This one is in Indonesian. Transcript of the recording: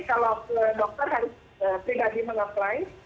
kalau dokter harus pribadi meng apply